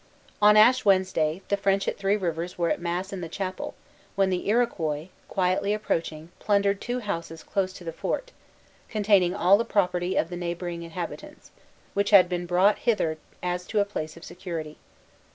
On Ash Wednesday, the French at Three Rivers were at mass in the chapel, when the Iroquois, quietly approaching, plundered two houses close to the fort, containing all the property of the neighboring inhabitants, which had been brought hither as to a place of security.